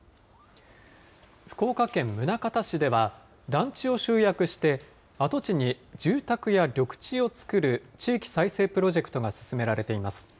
福岡県宗像市では、団地を集約して、跡地に住宅や緑地を造る地域再生プロジェクトが進められています。